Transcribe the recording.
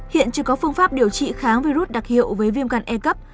hiện chưa có phương pháp điều trị kháng virus đặc hiệu với viêm gan e cấp